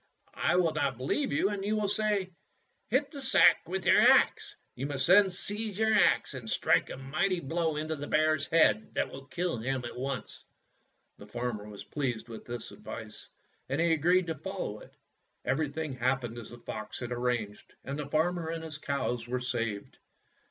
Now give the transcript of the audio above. "I will not believe you and will say, 'Hit the sack with your axe.' "You must then seize your axe and strike a mighty blow into the bear's head that will kill him at once." The farmer was pleased with this advice, and he agreed to follow it. Everything hap pened as the fox had arranged, and the farmer and his cows were saved.